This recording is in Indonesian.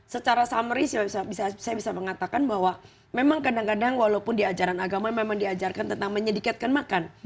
secara summary saya bisa mengatakan bahwa memang kadang kadang walaupun di ajaran agama memang diajarkan tentang menyedikatkan makan